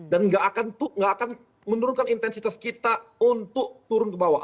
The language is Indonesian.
dan nggak akan menurunkan intensitas kita untuk turun ke bawah